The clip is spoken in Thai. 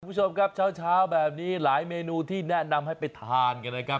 คุณผู้ชมครับเช้าแบบนี้หลายเมนูที่แนะนำให้ไปทานกันนะครับ